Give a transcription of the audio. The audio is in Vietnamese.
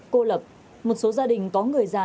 cô lập một số gia đình có người già